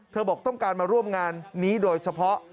บอกต้องการมาร่วมงานนี้โดยเฉพาะ